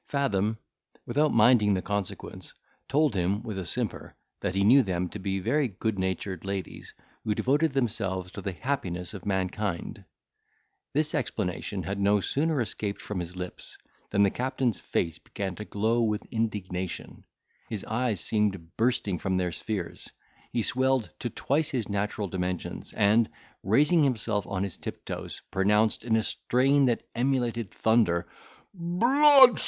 Fathom, without minding the consequence, told him, with a simper, that he knew them to be very good natured ladies, who devoted themselves to the happiness of mankind. This explanation had no sooner escaped from his lips, than the captain's face began to glow with indignation, his eyes seemed bursting from their spheres, he swelled to twice his natural dimensions, and, raising himself on his tiptoes, pronounced, in a strain that emulated thunder, "Blood!